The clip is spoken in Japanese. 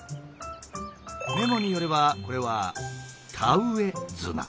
メモによればこれは「田植え綱」。